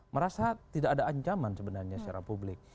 merasa tidak ada ancaman sebenarnya secara publik